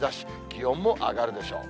気温も上がるでしょう。